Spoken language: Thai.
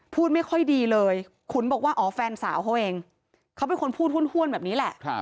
พูดไม่ค่อยดีเลยขุนบอกว่าอ๋อแฟนสาวเขาเองเขาเป็นคนพูดห้วนแบบนี้แหละ